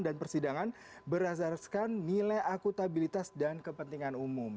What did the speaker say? dan persidangan berdasarkan nilai akutabilitas dan kepentingan umum